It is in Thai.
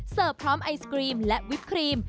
พร้อมไอศกรีมและวิปครีม